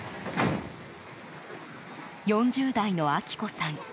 ４０代の明子さん。